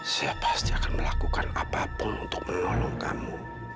saya pasti akan melakukan apapun untuk menolong kamu